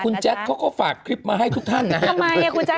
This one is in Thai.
ไม่แต่คุณแจ็คเขาก็ฝากคลิปมาให้ทุกท่านนะครับ